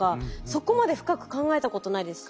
そこまで深く考えたことないです。